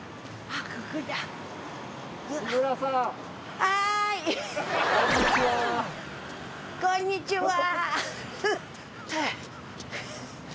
ああこんにちは。